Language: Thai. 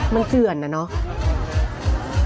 มันเกื่อนนะเนาะ